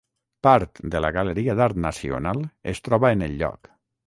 Part de la Galeria d'Art Nacional es troba en el lloc.